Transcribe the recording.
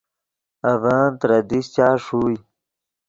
اڤن ترے دیشچا ݰوئے